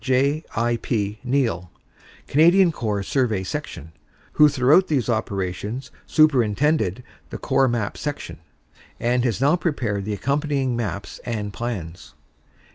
J. I. P. Neal, Canadian Corps Survey Section, who throughout these operations superintended the Corp Maps Section, and has now prepared the accompanying maps and plans.